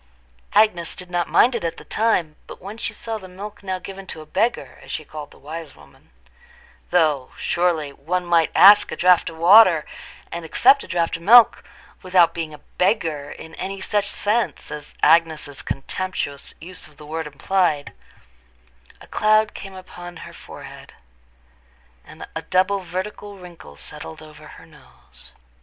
Agnes did not mind it at the time, but when she saw the milk now given to a beggar, as she called the wise woman—though, surely, one might ask a draught of water, and accept a draught of milk, without being a beggar in any such sense as Agnes's contemptuous use of the word implied—a cloud came upon her forehead, and a double vertical wrinkle settled over her nose.